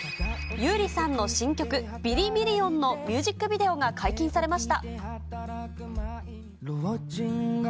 優里さんの新曲、ビリミリオンのミュージックビデオが解禁されました。